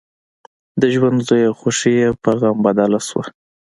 د ژوند لويه خوښي يې په غم بدله شوه.